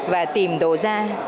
và tìm đồ ra